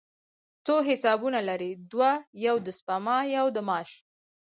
څو حسابونه لرئ؟ دوه، یو د سپما، یو د معاش